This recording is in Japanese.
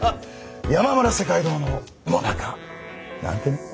「山村世界堂のもなか」なんてね。